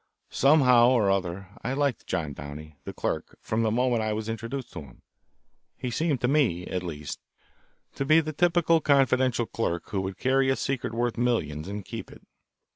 Somehow or other I liked John Downey, the clerk, from the moment I was introduced to him. He seemed to me, at least, to be the typical confidential clerk who would carry a secret worth millions and keep it.